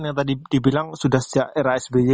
yang tadi dibilang sudah sejak era sby